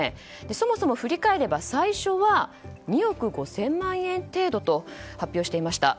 そもそも振り返れば最初は２億５０００万円程度と発表していました。